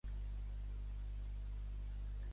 Dijous na Núria i en Jofre van a Tales.